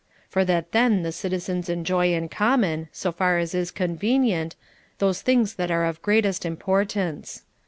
For that then the citizens enjoy in common, so far as is convenient, those things that are of greatest importance.